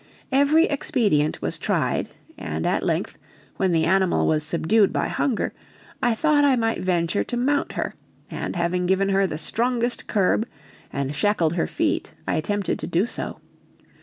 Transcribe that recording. Every expedient was tried, and at length, when the animal was subdued by hunger, I thought I might venture to mount her; and having given her the strongest curb and shackled her feet I attempted to do so.